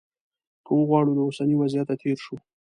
که وغواړو له اوسني وضعیته تېر شو.